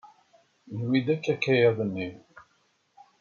Newwi-d akk akayad-nni.